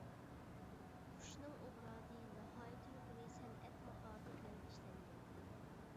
قۇشنىڭ ئوبرازى ناھايىتى يۇقىرى سەنئەت ماھارىتى بىلەن ئىشلەنگەن.